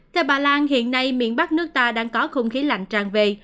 theo bà lan hiện nay miền bắc nước ta đang có không khí lạnh tràn về